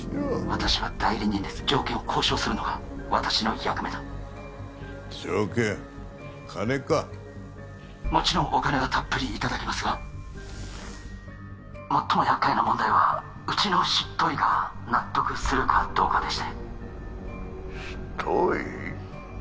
私は代理人です条件を交渉するのが私の役目だ条件金かもちろんお金はたっぷりいただきますが最も厄介な問題はうちの執刀医が納得するかどうかでして執刀医？